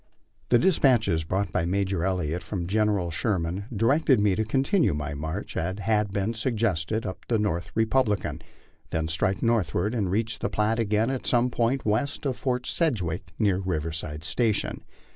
The despatches brought by Major Elliott from General Sherman directed me to continue my march, as had been suggested, up the North Republican, then strike northward and reach the Platte again at some point west of Fort Sedgwick, near Riverside Station.